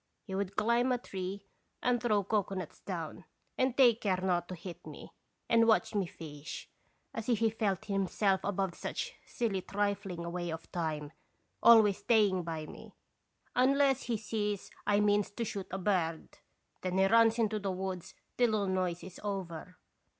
He would climb a tree and throw cocoanuts down, and take care not to hit me, and watch me fish, as if he felt him self above such silly trifling away of time, always staying by me, unless he sees 1 means to shoot a bird ; then he runs into the woods till the noise is over.